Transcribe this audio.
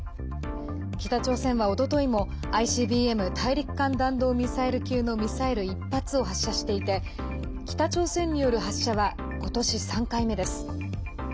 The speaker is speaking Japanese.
北朝鮮は、おとといもＩＣＢＭ＝大陸間弾道ミサイル級のミサイル１発を発射していて北朝鮮による発射は今年３回目です。